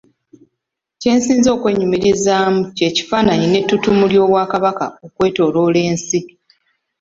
Kye nsinga okwenyumirizaamu ky'ekifaananyi n'ettuttumu ly'Obwakabaka okwetooloola ensi.